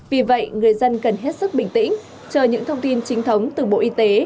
vì vậy người dân cần hết sức bình tĩnh chờ những thông tin chính thống từ bộ y tế